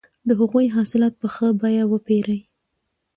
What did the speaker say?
د هغوی حاصلات په ښه بیه وپېرئ.